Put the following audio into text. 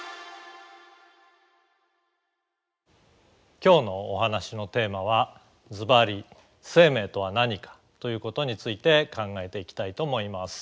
今日のお話のテーマはずばり「生命とは何か」ということについて考えていきたいと思います。